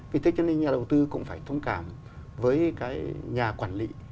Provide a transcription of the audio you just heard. vì thế cho nên nhà đầu tư cũng phải thông cảm với cái nhà quản lý